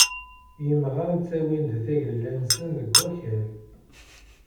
Imɣan ttawin-d tagella-nsen deg wakal.